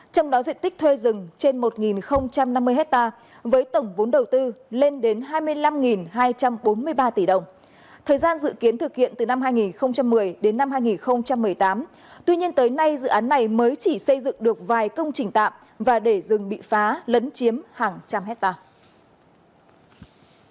trong đó diện tích thuê rừng trên một năm mươi hectare với tổng vốn đầu tư lên đến hai mươi năm hai trăm bốn mươi ba tỷ đồng thời gian dự kiến thực hiện từ năm hai nghìn một mươi đến năm hai nghìn một mươi tám tuy nhiên tới nay dự án này mới chỉ xây dựng được vài công trình tạm và để rừng bị phá lấn chiếm hàng trăm hectare